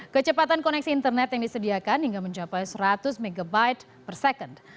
kecepatan koneksi internet yang disediakan hingga mencapai seratus mb per second